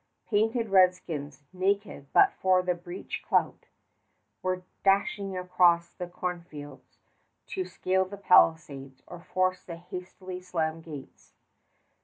Painted redskins, naked but for the breech clout, were dashing across the cornfields to scale the palisades or force the hastily slammed gates.